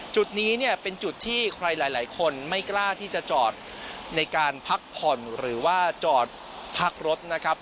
จุดนี้เนี่ยเป็นจุดที่ใครหลายคนไม่กล้าที่จะจอดในการพักผ่อนหรือว่าจอดพักรถนะครับ